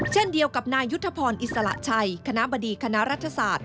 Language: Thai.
เช่นเดียวกับนายยุทธพรอิสระชัยคณะบดีคณะรัฐศาสตร์